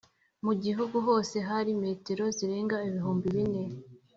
mu gihugu hose hari metero zirenga ibihumbi bine